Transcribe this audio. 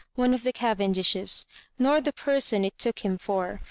one of the Cavendishes, nor the person it took him for.